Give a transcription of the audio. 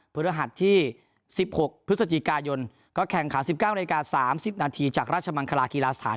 พฤหัสที่๑๖พฤศจิกายนก็แข่งขัน๑๙นาที๓๐นาทีจากราชมังคลากีฬาสถาน